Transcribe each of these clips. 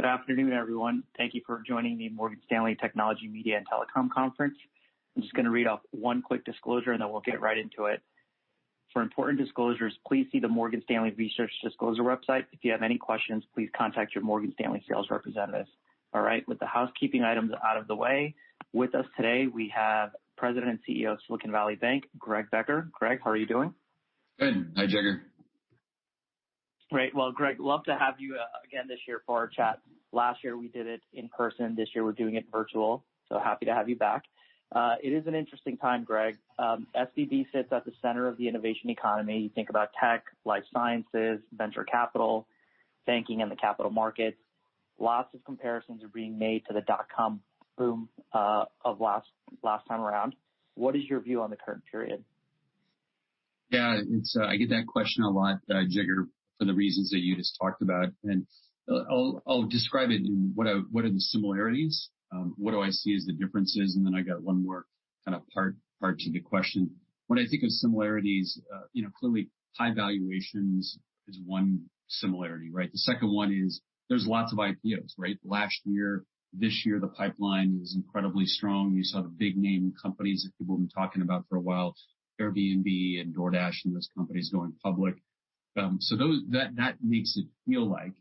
Good afternoon, everyone. Thank you for joining the Morgan Stanley Technology Media and Telecom Conference. I'm just going to read off one quick disclosure, and then we'll get right into it. For important disclosures, please see the Morgan Stanley Research Disclosure website. If you have any questions, please contact your Morgan Stanley sales representatives. All right, with the housekeeping items out of the way, with us today we have President and CEO of Silicon Valley Bank, Greg Becker. Greg, how are you doing? Good. Hi, Jagger. Great. Well, Greg, love to have you again this year for our chat. Last year we did it in person. This year we're doing it virtual. So happy to have you back. It is an interesting time, Greg. SVB sits at the center of the innovation economy. You think about tech, life sciences, venture capital, banking, and the capital markets. Lots of comparisons are being made to the dot-com boom of last time around. What is your view on the current period? Yeah, I get that question a lot, Jagger, for the reasons that you just talked about. And I'll describe it in what are the similarities, what do I see as the differences, and then I got one more kind of part to the question. When I think of similarities, clearly high valuations is one similarity, right? The second one is there's lots of IPOs, right? Last year, this year, the pipeline is incredibly strong. You saw the big name companies that people have been talking about for a while, Airbnb and DoorDash and those companies going public. So that makes it feel like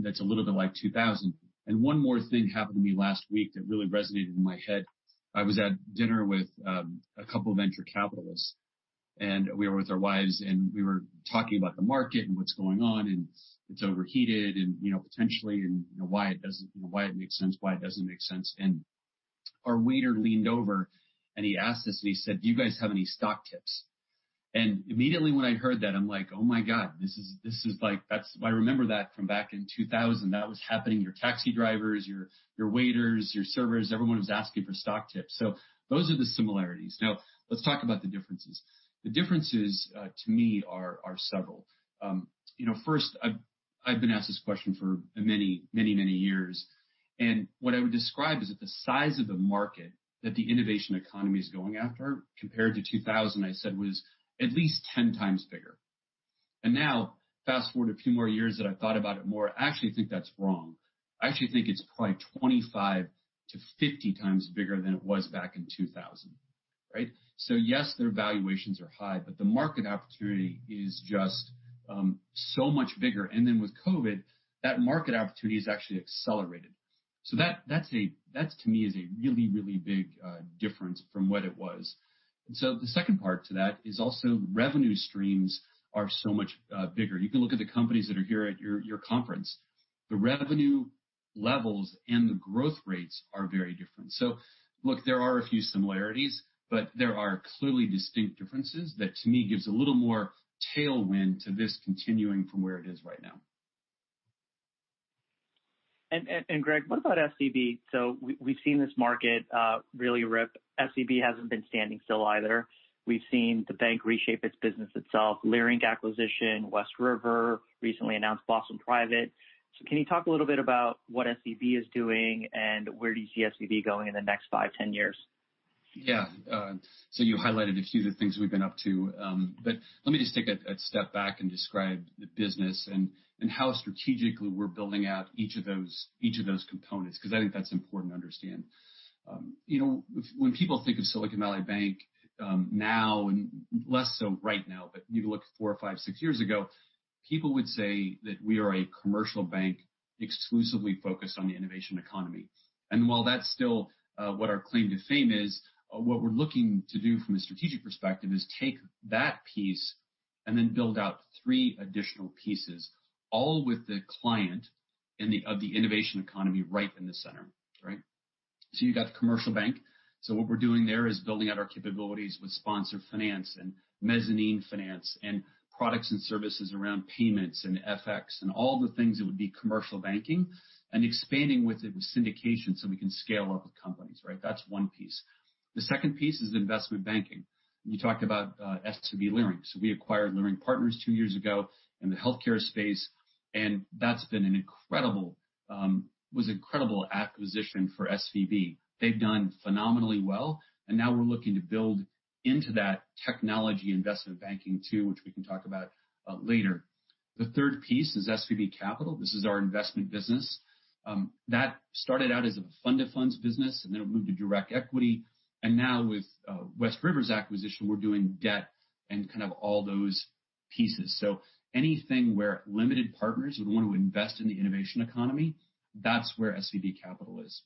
that's a little bit like 2000. And one more thing happened to me last week that really resonated in my head. I was at dinner with a couple of venture capitalists, and we were with our wives, and we were talking about the market and what's going on, and it's overheated and potentially and why it doesn't, why it makes sense, why it doesn't make sense. And our waiter leaned over, and he asked us, and he said, "Do you guys have any stock tips?" And immediately when I heard that, I'm like, "Oh my God, this is like that's I remember that from back in 2000. That was happening. Your taxi drivers, your waiters, your servers, everyone was asking for stock tips." So those are the similarities. Now, let's talk about the differences. The differences to me are several. First, I've been asked this question for many, many, many years. What I would describe is that the size of the market that the innovation economy is going after compared to 2000, I said, was at least 10 times bigger. Now, fast forward a few more years that I've thought about it more, I actually think that's wrong. I actually think it's probably 25-50 times bigger than it was back in 2000, right? Yes, their valuations are high, but the market opportunity is just so much bigger. Then with COVID, that market opportunity has actually accelerated. That to me is a really, really big difference from what it was. The second part to that is also revenue streams are so much bigger. You can look at the companies that are here at your conference. The revenue levels and the growth rates are very different. So look, there are a few similarities, but there are clearly distinct differences that to me gives a little more tailwind to this continuing from where it is right now. And Greg, what about SVB? So we've seen this market really rip. SVB hasn't been standing still either. We've seen the bank reshape its business itself. Leerink acquisition, WestRiver, recently announced Boston Private. So can you talk a little bit about what SVB is doing and where do you see SVB going in the next five, 10 years? Yeah. So you highlighted a few of the things we've been up to. But let me just take a step back and describe the business and how strategically we're building out each of those components because I think that's important to understand. When people think of Silicon Valley Bank now, and less so right now, but you look four, five, six years ago, people would say that we are a commercial bank exclusively focused on the innovation economy. And while that's still what our claim to fame is, what we're looking to do from a strategic perspective is take that piece and then build out three additional pieces, all with the client and the innovation economy right in the center, right? So you've got the commercial bank. So what we're doing there is building out our capabilities with sponsor finance and mezzanine finance and products and services around payments and FX and all the things that would be commercial banking and expanding with it with syndication so we can scale up with companies, right? That's one piece. The second piece is investment banking. You talked about SVB Leerink. So we acquired Leerink Partners two years ago in the healthcare space, and that's been an incredible acquisition for SVB. They've done phenomenally well, and now we're looking to build into that technology investment banking too, which we can talk about later. The third piece is SVB Capital. This is our investment business. That started out as a fund of funds business, and then it moved to direct equity. And now with West River's acquisition, we're doing debt and kind of all those pieces. So anything where limited partners would want to invest in the innovation economy, that's where SVB Capital is.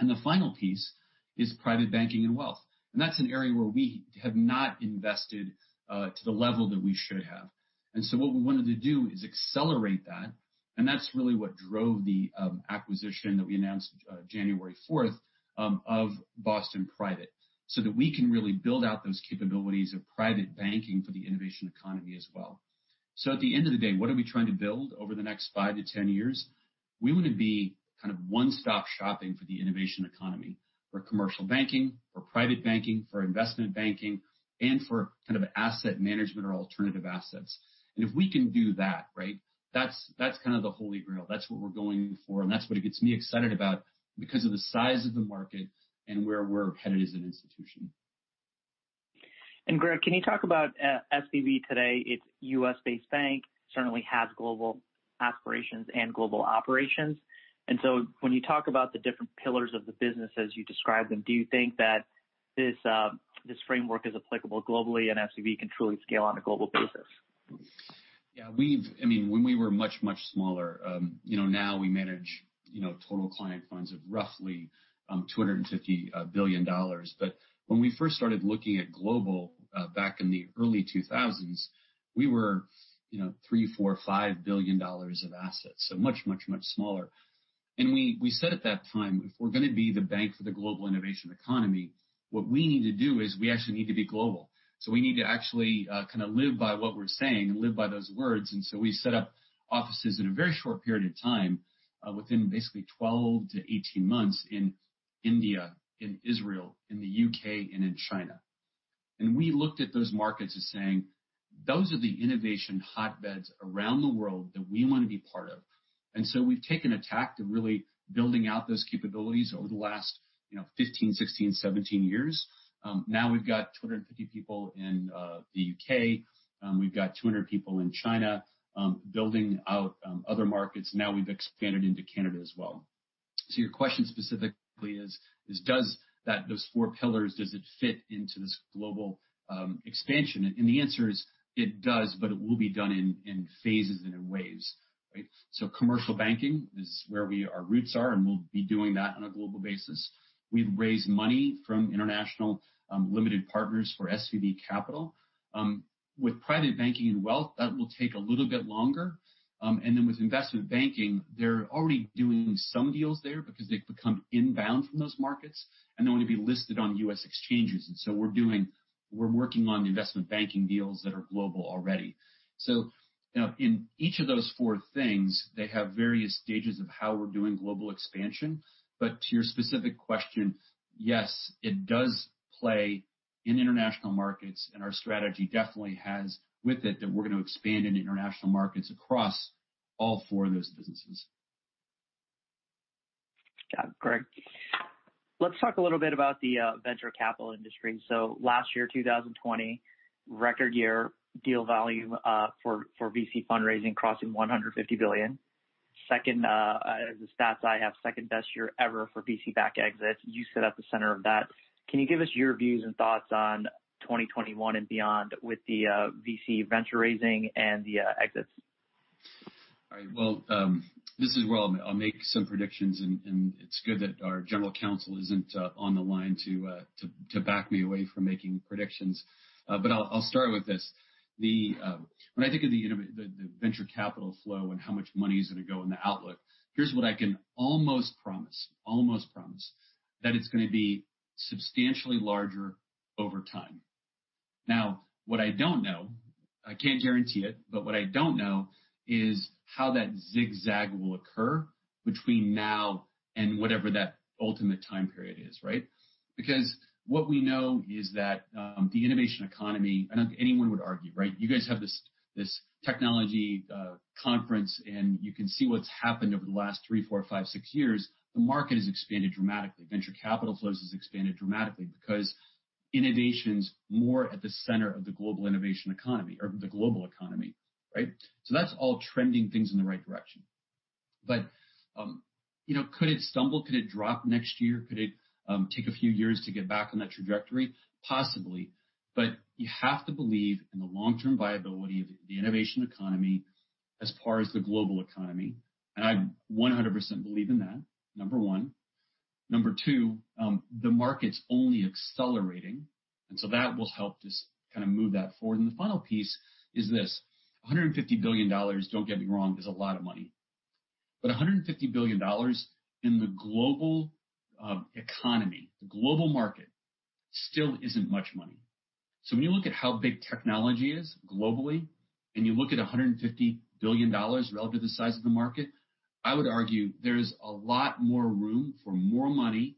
And the final piece is private banking and wealth. And that's an area where we have not invested to the level that we should have. And so what we wanted to do is accelerate that. And that's really what drove the acquisition that we announced January 4th of Boston Private so that we can really build out those capabilities of private banking for the innovation economy as well. So at the end of the day, what are we trying to build over the next five to 10 years? We want to be kind of one-stop shopping for the innovation economy for commercial banking, for private banking, for investment banking, and for kind of asset management or alternative assets. And if we can do that, right, that's kind of the holy grail. That's what we're going for, and that's what gets me excited about because of the size of the market and where we're headed as an institution. Greg, can you talk about SVB today? It's a U.S.-based bank, certainly has global aspirations and global operations. And so when you talk about the different pillars of the business as you describe them, do you think that this framework is applicable globally and SVB can truly scale on a global basis? Yeah. I mean, when we were much, much smaller, now we manage total client funds of roughly $250 billion. But when we first started looking at global back in the early 2000s, we were $3 billion-$5 billion of assets, so much, much, much smaller. And we said at that time, if we're going to be the bank for the global innovation economy, what we need to do is we actually need to be global. So we need to actually kind of live by what we're saying and live by those words. And so we set up offices in a very short period of time within basically 12 to 18 months in India, in Israel, in the U.K., and in China. And we looked at those markets as saying, those are the innovation hotbeds around the world that we want to be part of. And so we've taken a tack of really building out those capabilities over the last 15, 16, 17 years. Now we've got 250 people in the U.K. We've got 200 people in China building out other markets. Now we've expanded into Canada as well. So your question specifically is, does that, those four pillars, does it fit into this global expansion? And the answer is it does, but it will be done in phases and in waves, right? So commercial banking is where our roots are, and we'll be doing that on a global basis. We've raised money from international limited partners for SVB Capital. With private banking and wealth, that will take a little bit longer. And then with investment banking, they're already doing some deals there because they've become inbound from those markets, and they want to be listed on U.S. exchanges. And so we're working on investment banking deals that are global already. So in each of those four things, they have various stages of how we're doing global expansion. But to your specific question, yes, it does play in international markets, and our strategy definitely has with it that we're going to expand into international markets across all four of those businesses. Yeah, Greg, let's talk a little bit about the venture capital industry. So last year, 2020, record year deal volume for VC fundraising crossing $150 billion. Second, as the stats I have, second best year ever for VC-backed exits. You sit at the center of that. Can you give us your views and thoughts on 2021 and beyond with the VC venture raising and the exits? All right. Well, this is where I'll make some predictions, and it's good that our general counsel isn't on the line to back me away from making predictions. But I'll start with this. When I think of the venture capital flow and how much money is going to go in the outlook, here's what I can almost promise, almost promise, that it's going to be substantially larger over time. Now, what I don't know, I can't guarantee it, but what I don't know is how that zigzag will occur between now and whatever that ultimate time period is, right? Because what we know is that the innovation economy, I don't think anyone would argue, right? You guys have this technology conference, and you can see what's happened over the last three, four, five, six years. The market has expanded dramatically. Venture capital flows have expanded dramatically because innovation's more at the center of the global innovation economy or the global economy, right? So that's all trending things in the right direction. But could it stumble? Could it drop next year? Could it take a few years to get back on that trajectory? Possibly. But you have to believe in the long-term viability of the innovation economy as far as the global economy. And I 100% believe in that, number one. Number two, the market's only accelerating. And so that will help just kind of move that forward. And the final piece is this: $150 billion, don't get me wrong, is a lot of money. But $150 billion in the global economy, the global market, still isn't much money. So when you look at how big technology is globally and you look at $150 billion relative to the size of the market, I would argue there's a lot more room for more money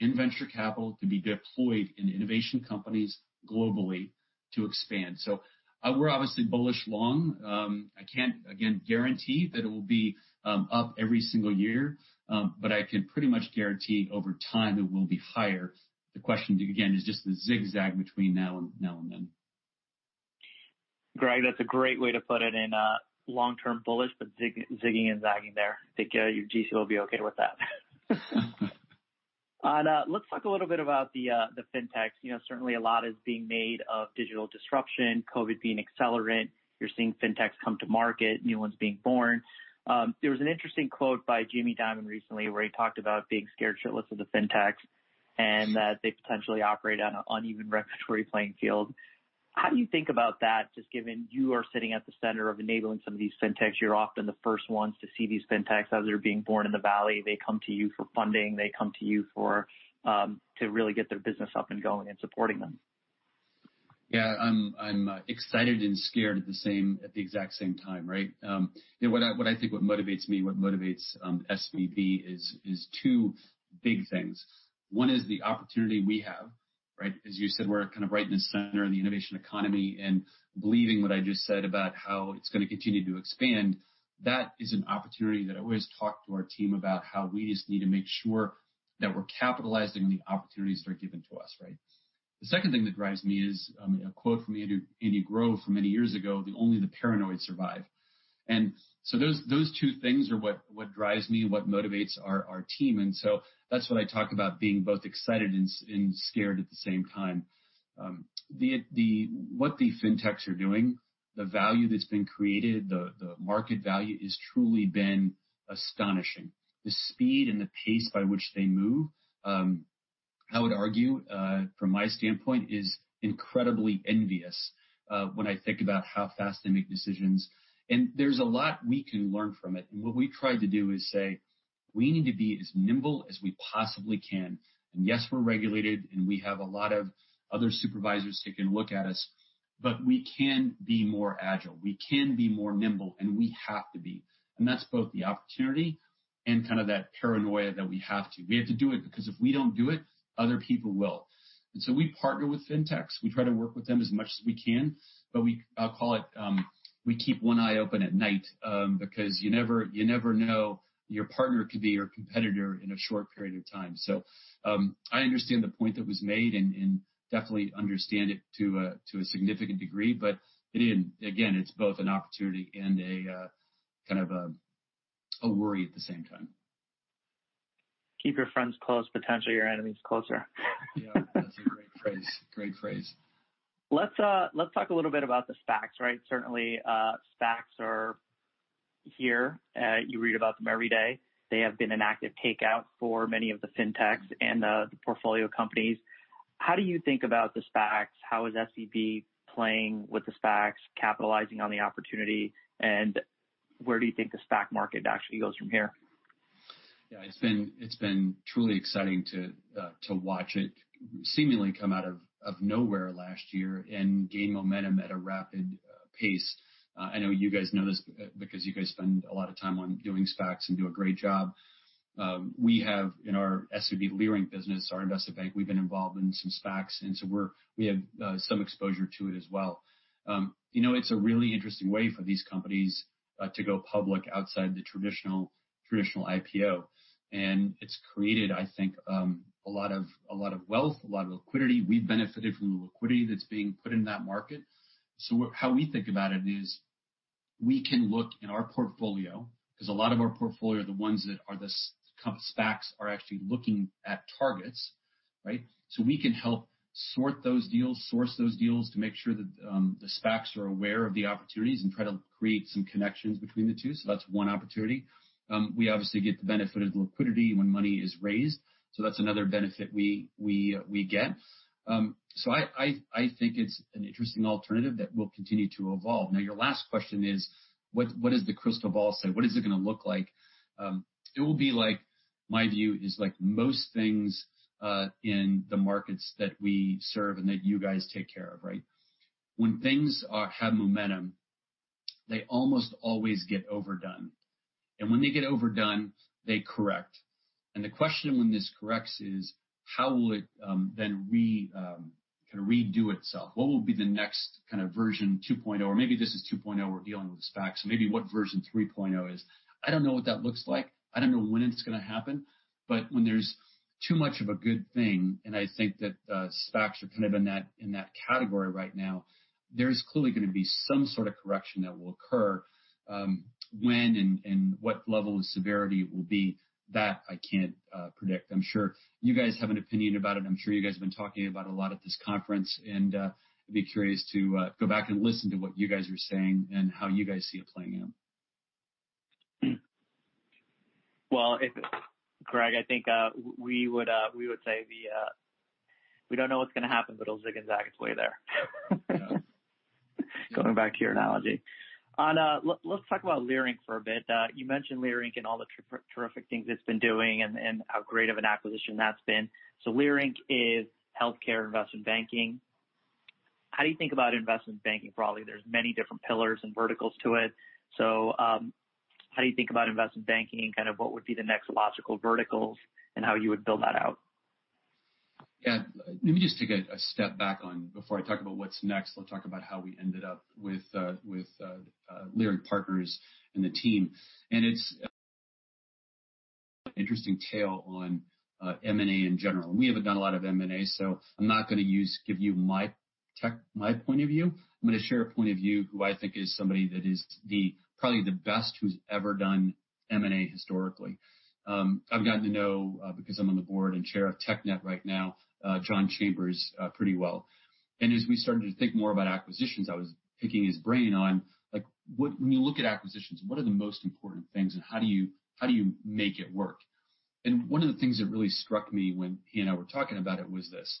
in venture capital to be deployed in innovation companies globally to expand. So we're obviously bullish long. I can't, again, guarantee that it will be up every single year, but I can pretty much guarantee over time it will be higher. The question, again, is just the zigzag between now and then. Greg, that's a great way to put it, in long-term bullish, but zigging and zagging there. I think your GC will be okay with that. And let's talk a little bit about the fintechs. Certainly, a lot is being made of digital disruption, COVID being accelerant. You're seeing fintechs come to market, new ones being born. There was an interesting quote by Jamie Dimon recently where he talked about being scared shitless of the fintechs and that they potentially operate on an uneven regulatory playing field. How do you think about that, just given you are sitting at the center of enabling some of these fintechs? You're often the first ones to see these fintechs as they're being born in the valley. They come to you for funding. They come to you to really get their business up and going and supporting them. Yeah. I'm excited and scared at the exact same time, right? What motivates me, what motivates SVB is two big things. One is the opportunity we have, right? As you said, we're kind of right in the center of the innovation economy and believing what I just said about how it's going to continue to expand. That is an opportunity that I always talk to our team about how we just need to make sure that we're capitalizing on the opportunities that are given to us, right? The second thing that drives me is a quote from Andy Grove from many years ago, "Only the paranoid survive." And so those two things are what drives me, what motivates our team. And so that's what I talk about being both excited and scared at the same time. What the fintechs are doing, the value that's been created, the market value has truly been astonishing. The speed and the pace by which they move, I would argue, from my standpoint, is incredibly envious when I think about how fast they make decisions. And there's a lot we can learn from it. And what we tried to do is say, we need to be as nimble as we possibly can. And yes, we're regulated, and we have a lot of other supervisors taking a look at us, but we can be more agile. We can be more nimble, and we have to be. And that's both the opportunity and kind of that paranoia that we have to. We have to do it because if we don't do it, other people will. And so we partner with fintechs. We try to work with them as much as we can, but I'll call it we keep one eye open at night because you never know your partner could be your competitor in a short period of time. So I understand the point that was made and definitely understand it to a significant degree, but again, it's both an opportunity and a kind of a worry at the same time. Keep your friends close, potentially your enemies closer. Yeah. That's a great phrase. Great phrase. Let's talk a little bit about the SPACs, right? Certainly, SPACs are here. You read about them every day. They have been an active takeout for many of the fintechs and the portfolio companies. How do you think about the SPACs? How is SVB playing with the SPACs, capitalizing on the opportunity, and where do you think the SPAC market actually goes from here? Yeah. It's been truly exciting to watch it seemingly come out of nowhere last year and gain momentum at a rapid pace. I know you guys know this because you guys spend a lot of time on doing SPACs and do a great job. We have, in our SVB Leerink business, our investment bank, we've been involved in some SPACs, and so we have some exposure to it as well. You know, it's a really interesting way for these companies to go public outside the traditional IPO, and it's created, I think, a lot of wealth, a lot of liquidity. We've benefited from the liquidity that's being put in that market, so how we think about it is we can look in our portfolio because a lot of our portfolio, the ones that are the SPACs, are actually looking at targets, right? So we can help sort those deals, source those deals to make sure that the SPACs are aware of the opportunities and try to create some connections between the two. So that's one opportunity. We obviously get the benefit of the liquidity when money is raised. So that's another benefit we get. So I think it's an interesting alternative that will continue to evolve. Now, your last question is, what does the crystal ball say? What is it going to look like? It will be like, my view is like most things in the markets that we serve and that you guys take care of, right? When things have momentum, they almost always get overdone. And when they get overdone, they correct. And the question when this corrects is, how will it then kind of redo itself? What will be the next kind of version 2.0? Or maybe this is 2.0. We're dealing with the SPACs. Maybe what version 3.0 is. I don't know what that looks like. I don't know when it's going to happen, but when there's too much of a good thing, and I think that SPACs are kind of in that category right now, there's clearly going to be some sort of correction that will occur. When and what level of severity it will be, that I can't predict. I'm sure you guys have an opinion about it. I'm sure you guys have been talking about it a lot at this conference, and I'd be curious to go back and listen to what you guys are saying and how you guys see it playing out. Greg, I think we would say we don't know what's going to happen, but it'll zig and zag its way there. Yeah. Going back to your analogy, and let's talk about Leerink for a bit. You mentioned Leerink and all the terrific things it's been doing and how great of an acquisition that's been. So Leerink is healthcare investment banking. How do you think about investment banking broadly? There's many different pillars and verticals to it. So how do you think about investment banking and kind of what would be the next logical verticals and how you would build that out? Yeah. Let me just take a step back before I talk about what's next. Let's talk about how we ended up with Leerink Partners and the team. And it's an interesting tale on M&A in general. And we haven't done a lot of M&A, so I'm not going to give you my point of view. I'm going to share a point of view who I think is somebody that is probably the best who's ever done M&A historically. I've gotten to know, because I'm on the board and chair of TechNet right now, John Chambers pretty well. And as we started to think more about acquisitions, I was picking his brain on, when you look at acquisitions, what are the most important things and how do you make it work? And one of the things that really struck me when he and I were talking about it was this.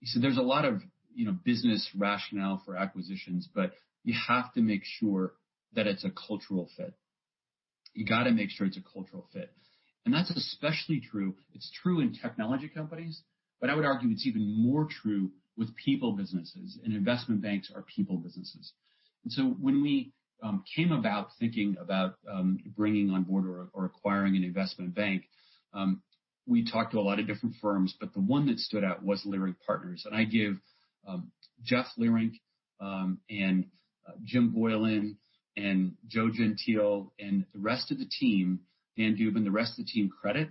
He said, "There's a lot of business rationale for acquisitions, but you have to make sure that it's a cultural fit. You got to make sure it's a cultural fit." And that's especially true. It's true in technology companies, but I would argue it's even more true with people businesses, and investment banks are people businesses. And so when we came about thinking about bringing on board or acquiring an investment bank, we talked to a lot of different firms, but the one that stood out was Leerink Partners. And I give Jeff Leerink and Jim Boylan and Joe Gentile and the rest of the team, Dan Dubin, the rest of the team credit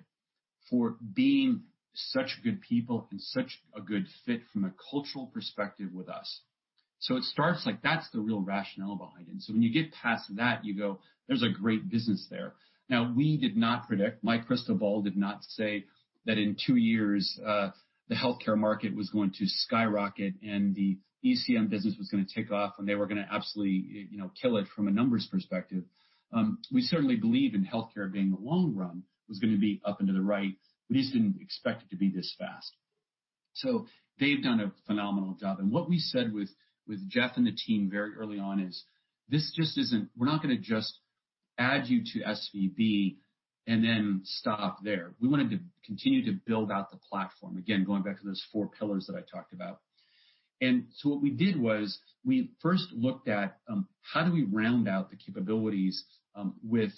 for being such good people and such a good fit from a cultural perspective with us. So it starts like that's the real rationale behind it. And so when you get past that, you go, "There's a great business there." Now, we did not predict. My crystal ball did not say that in two years the healthcare market was going to skyrocket and the ECM business was going to take off and they were going to absolutely kill it from a numbers perspective. We certainly believe in healthcare being a long run. It was going to be up and to the right. We just didn't expect it to be this fast. So they've done a phenomenal job. And what we said with Jeff and the team very early on is, "This just isn't. We're not going to just add you to SVB and then stop there." We wanted to continue to build out the platform, again, going back to those four pillars that I talked about. And so what we did was we first looked at how do we round out the capabilities with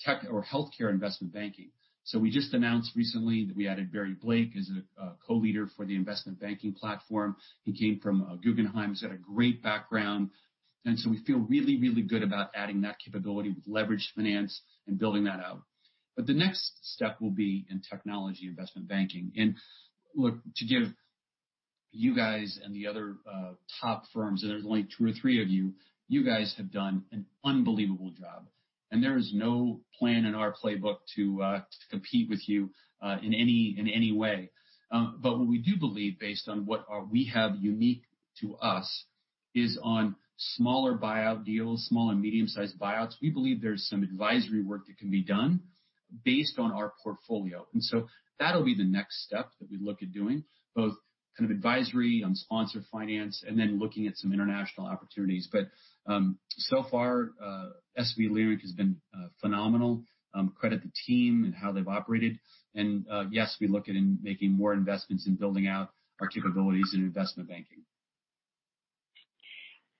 tech or healthcare investment banking. So we just announced recently that we added Barry Blake as a co-leader for the investment banking platform. He came from Guggenheim. He's got a great background. And so we feel really, really good about adding that capability with leveraged finance and building that out. But the next step will be in technology investment banking. And look, to give you guys and the other top firms, and there's only two or three of you, you guys have done an unbelievable job. And there is no plan in our playbook to compete with you in any way. But what we do believe, based on what we have unique to us, is on smaller buyout deals, small and medium-sized buyouts. We believe there's some advisory work that can be done based on our portfolio, and so that'll be the next step that we look at doing, both kind of advisory on sponsor finance and then looking at some international opportunities, but so far, SVB Leerink has been phenomenal. Credit the team and how they've operated, and yes, we look at making more investments and building out our capabilities in investment banking.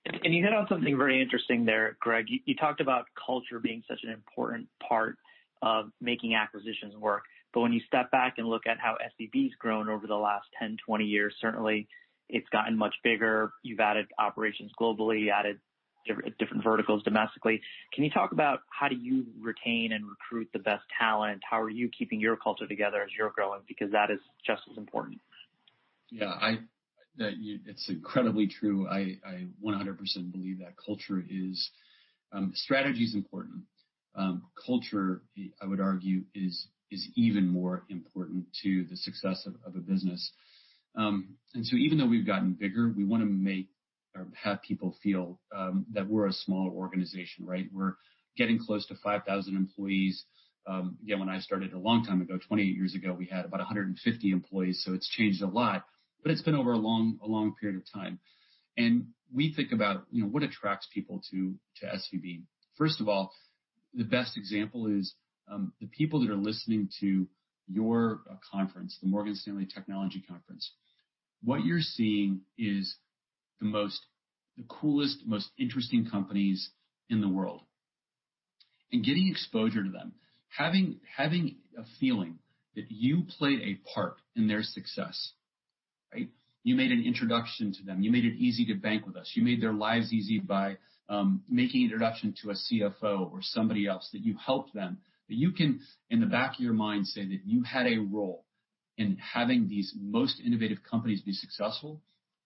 You hit on something very interesting there, Greg. You talked about culture being such an important part of making acquisitions work. But when you step back and look at how SVB's grown over the last 10, 20 years, certainly it's gotten much bigger. You've added operations globally, added different verticals domestically. Can you talk about how do you retain and recruit the best talent? How are you keeping your culture together as you're growing? Because that is just as important. Yeah. It's incredibly true. I 100% believe that culture is. Strategy is important. Culture, I would argue, is even more important to the success of a business. And so even though we've gotten bigger, we want to make or have people feel that we're a small organization, right? We're getting close to 5,000 employees. Again, when I started a long time ago, 28 years ago, we had about 150 employees. So it's changed a lot, but it's been over a long period of time. And we think about what attracts people to SVB. First of all, the best example is the people that are listening to your conference, the Morgan Stanley Technology Conference. What you're seeing is the coolest, most interesting companies in the world. And getting exposure to them, having a feeling that you played a part in their success, right? You made an introduction to them. You made it easy to bank with us. You made their lives easy by making an introduction to a CFO or somebody else that you helped them. That you can, in the back of your mind, say that you had a role in having these most innovative companies be successful,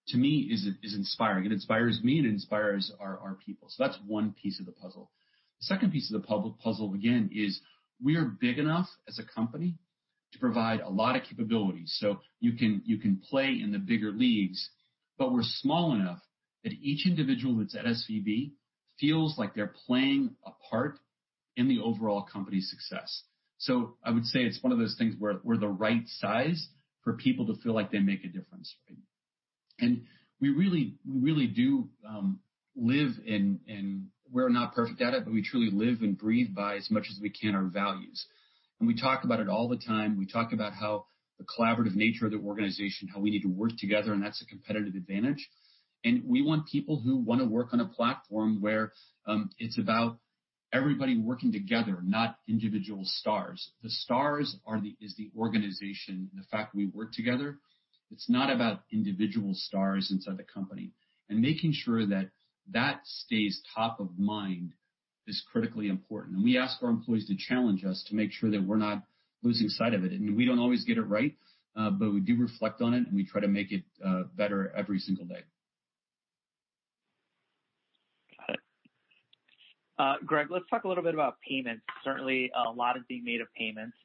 to me, is inspiring. It inspires me and it inspires our people. So that's one piece of the puzzle. The second piece of the puzzle, again, is we are big enough as a company to provide a lot of capabilities. So you can play in the bigger leagues, but we're small enough that each individual that's at SVB feels like they're playing a part in the overall company's success. So I would say it's one of those things where we're the right size for people to feel like they make a difference, right? And we really do live by. We're not perfect at it, but we truly live and breathe by as much as we can our values. And we talk about it all the time. We talk about how the collaborative nature of the organization, how we need to work together, and that's a competitive advantage. And we want people who want to work on a platform where it's about everybody working together, not individual stars. The stars are the organization and the fact we work together. It's not about individual stars inside the company. And making sure that that stays top of mind is critically important. And we ask our employees to challenge us to make sure that we're not losing sight of it. And we don't always get it right, but we do reflect on it and we try to make it better every single day. Got it. Greg, let's talk a little bit about payments. Certainly, a lot is being made of payments,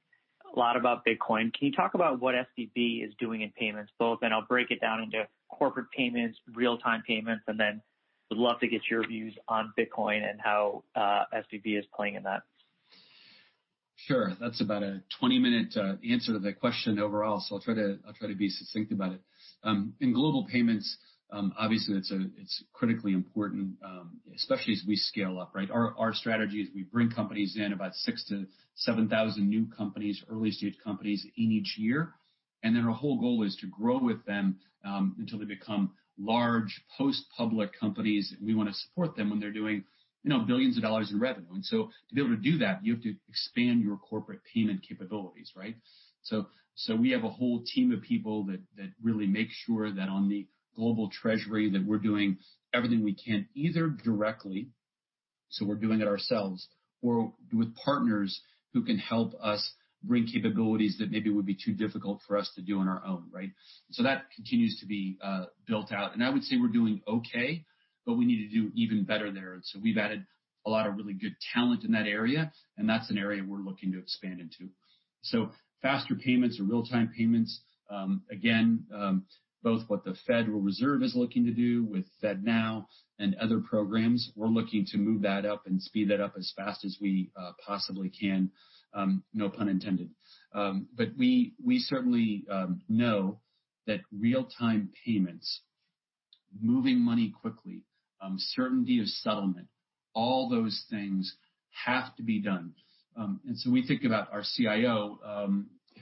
a lot about Bitcoin. Can you talk about what SVB is doing in payments, both, and I'll break it down into corporate payments, real-time payments, and then would love to get your views on Bitcoin and how SVB is playing in that? Sure. That's about a 20-minute answer to the question overall, so I'll try to be succinct about it. In global payments, obviously, it's critically important, especially as we scale up, right? Our strategy is we bring companies in, about 6,000-7,000 new companies, early-stage companies in each year. And then our whole goal is to grow with them until they become large post-public companies. We want to support them when they're doing billions of dollars in revenue. And so to be able to do that, you have to expand your corporate payment capabilities, right? So we have a whole team of people that really make sure that on the global treasury that we're doing everything we can either directly, so we're doing it ourselves, or with partners who can help us bring capabilities that maybe would be too difficult for us to do on our own, right? So that continues to be built out. And I would say we're doing okay, but we need to do even better there. And so we've added a lot of really good talent in that area, and that's an area we're looking to expand into. So faster payments or real-time payments, again, both what the Federal Reserve is looking to do with FedNow and other programs, we're looking to move that up and speed that up as fast as we possibly can, no pun intended. But we certainly know that real-time payments, moving money quickly, certainty of settlement, all those things have to be done. And so we think about our CIO,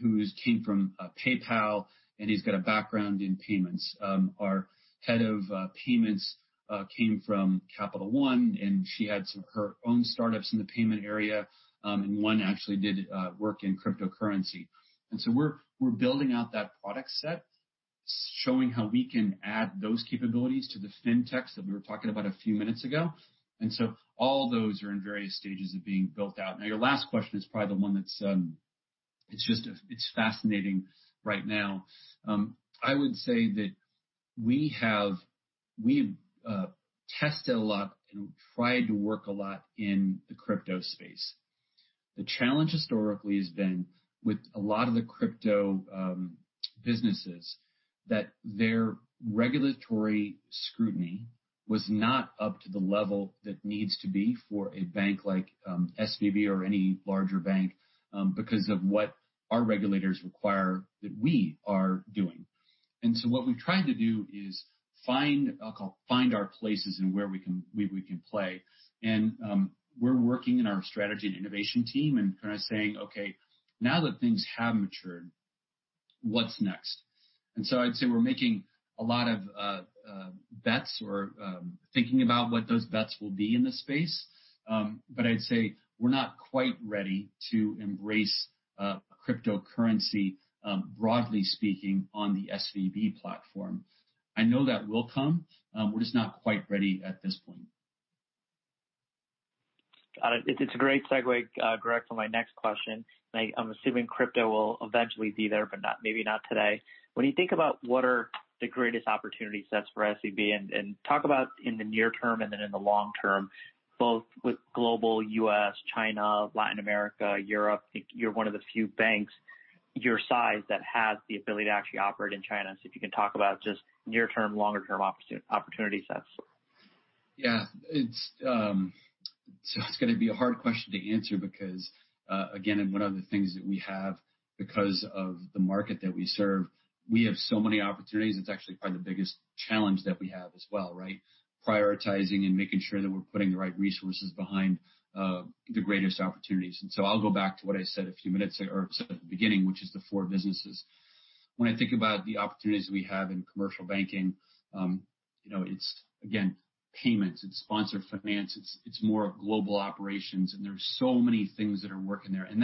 who came from PayPal, and he's got a background in payments. Our head of payments came from Capital One, and she had her own startups in the payment area, and one actually did work in cryptocurrency. And so we're building out that product set, showing how we can add those capabilities to the fintechs that we were talking about a few minutes ago. And so all those are in various stages of being built out. Now, your last question is probably the one that's just fascinating right now. I would say that we have tested a lot and tried to work a lot in the crypto space. The challenge historically has been with a lot of the crypto businesses that their regulatory scrutiny was not up to the level that needs to be for a bank like SVB or any larger bank because of what our regulators require that we are doing. And so what we've tried to do is find our places and where we can play. And we're working in our strategy and innovation team and kind of saying, "Okay, now that things have matured, what's next?" And so I'd say we're making a lot of bets or thinking about what those bets will be in the space. But I'd say we're not quite ready to embrace cryptocurrency, broadly speaking, on the SVB platform. I know that will come. We're just not quite ready at this point. Got it. It's a great segue, Greg, for my next question. I'm assuming crypto will eventually be there, but maybe not today. When you think about what are the greatest opportunity sets for SVB and talk about in the near term and then in the long term, both with global, U.S., China, Latin America, Europe, you're one of the few banks your size that has the ability to actually operate in China. So if you can talk about just near-term, longer-term opportunity sets. Yeah. So it's going to be a hard question to answer because, again, one of the things that we have, because of the market that we serve, we have so many opportunities. It's actually probably the biggest challenge that we have as well, right? Prioritizing and making sure that we're putting the right resources behind the greatest opportunities. And so I'll go back to what I said a few minutes ago or said at the beginning, which is the four businesses. When I think about the opportunities we have in commercial banking, it's, again, payments. It's sponsor finance. It's more global operations. And there's so many things that are working there. And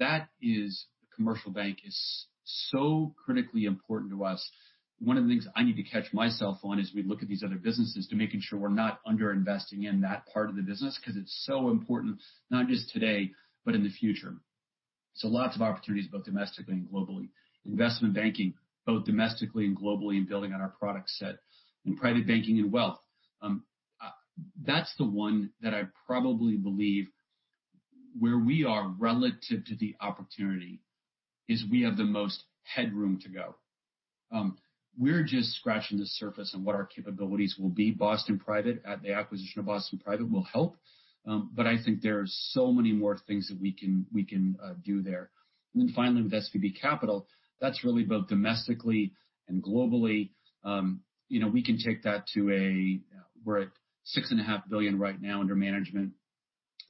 that is, a commercial bank, is so critically important to us. One of the things I need to catch myself on is we look at these other businesses to make sure we're not underinvesting in that part of the business because it's so important, not just today, but in the future. So lots of opportunities both domestically and globally. Investment banking, both domestically and globally and building on our product set. And private banking and wealth. That's the one that I probably believe where we are relative to the opportunity is we have the most headroom to go. We're just scratching the surface on what our capabilities will be. The acquisition of Boston Private will help. But I think there are so many more things that we can do there. And then finally, with SVB Capital, that's really both domestically and globally. We can take that to a. We're at 6.5 billion right now under management.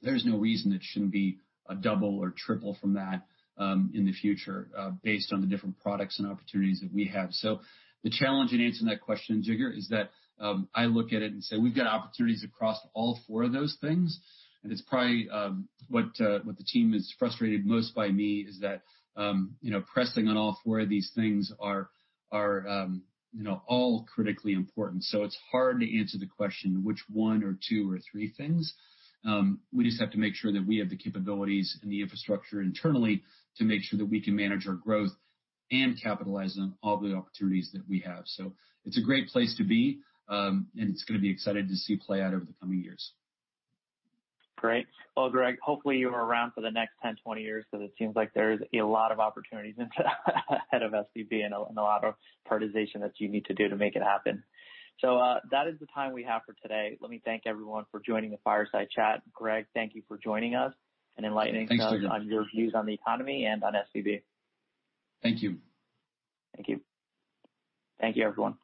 There's no reason it shouldn't be a double or triple from that in the future based on the different products and opportunities that we have. So the challenge in answering that question, Jagger, is that I look at it and say, "We've got opportunities across all four of those things." And it's probably what the team is frustrated most by me is that pressing on all four of these things are all critically important. So it's hard to answer the question, which one or two or three things. We just have to make sure that we have the capabilities and the infrastructure internally to make sure that we can manage our growth and capitalize on all the opportunities that we have. So it's a great place to be, and it's going to be exciting to see play out over the coming years. Great. Well, Greg, hopefully you're around for the next 10, 20 years because it seems like there's a lot of opportunities ahead of SVB and a lot of prioritization that you need to do to make it happen. So that is the time we have for today. Let me thank everyone for joining the Fireside Chat. Greg, thank you for joining us and enlightening us on your views on the economy and on SVB. Thank you. Thank you. Thank you, everyone.